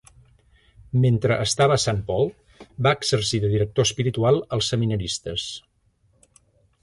Mentre estava a Saint Paul, va exercir de director espiritual als seminaristes.